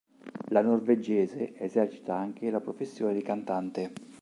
La norvegese esercita anche la professione di cantante.